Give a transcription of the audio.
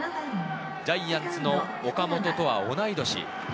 ジャイアンツの岡本とは同い年。